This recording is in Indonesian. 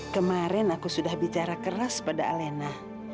kemarin aku sudah bicara keras pada alena